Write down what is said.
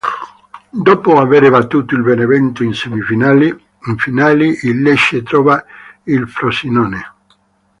Dopo avere battuto il Benevento in semifinale, in finale il Lecce trova il Frosinone.